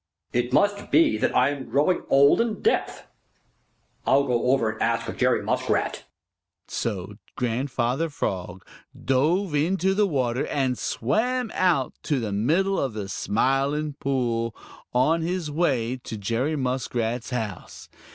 "It must be that I am growing old and deaf. I'll go over and ask Jerry Muskrat." So Grandfather Frog dove into the water and swam out to the middle of the Smiling Pool, on his way to Jerry Muskrat's house.